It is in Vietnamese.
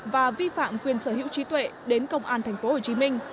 và vi phạm quyền sở hữu trí tuệ đến công an tp hcm